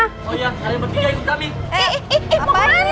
oh iya kalian bertiga ibu kami